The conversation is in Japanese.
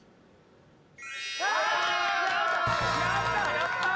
やったー！